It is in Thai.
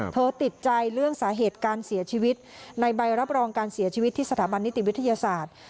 ติดใจเรื่องสาเหตุการเสียชีวิตในใบรับรองการเสียชีวิตที่สถาบันนิติวิทยาศาสตร์